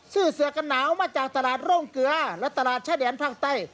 เสื้อเสือกันหนาวมาจากตลาดโรงเกลือและตลาดชายแดนภาคใต้